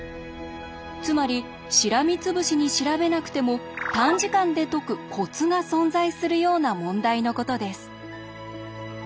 つまりしらみつぶしに調べなくても短時間で解くコツが存在するような問題のことです。